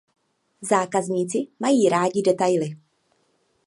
Zákazníci mají rádi detaily.